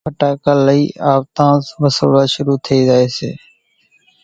اِي ڦٽاڪا لئي آوتانز وسوڙوا شروع ٿئي زائي سي